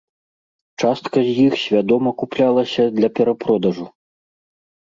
Частка з іх свядома куплялася для перапродажу.